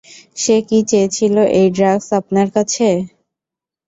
সে কি চেয়েছিল এই ড্রাগস আপনার কাছে?